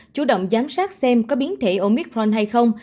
chủ động giám sát xem có biến thể omitforn hay không